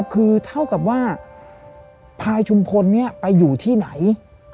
คือเท่ากับว่าพายชุมพลไปอยู่ที่ไหน